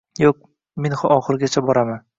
Yo‘q, men oxirigacha boraman.